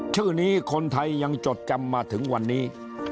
ชื่อนี้คนไทยยังจดจำมาถึงวันนี้